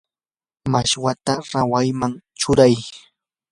mashwata rawayman churay.